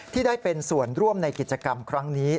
ที่ได้เป็นส่วนร่วมในกิจกรรมครั้งนี้